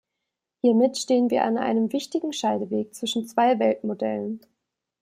Hiermit stehen wir an einem wichtigen Scheideweg zwischen zwei Weltmodellen.